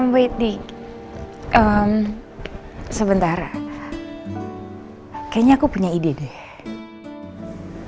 wait di sebentar kayaknya aku punya ide deh